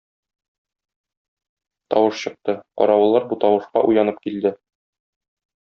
Тавыш чыкты, каравыллар бу тавышка уянып килде.